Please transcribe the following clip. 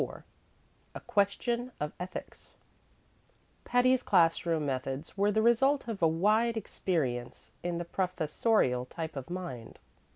IV A Question of Ethics Patty's class room methods were the result of a wide experience in the professorial type of mind.